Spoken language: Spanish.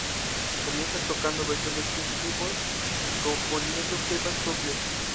Comienzan tocando versiones de King Crimson y componiendo temas propios.